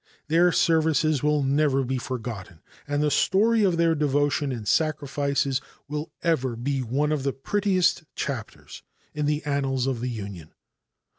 Their services will never be forgotten, and the story of their devotion and sacrifices will ever be one of the prettiest chapters in the annals of the Union.